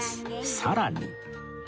さらに